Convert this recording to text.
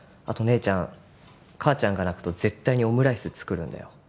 あと姉ちゃん母ちゃんが泣くと絶対にオムライス作るんだよ